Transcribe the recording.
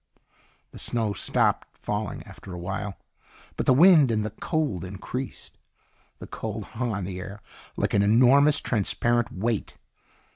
The snow stopped falling after a while, but the wind and the cold increased. The cold hung on the air like an enormous, transparent weight.